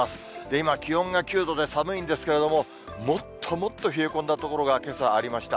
今、気温が９度で、寒いんですけれども、もっともっと冷え込んだ所が、けさありました。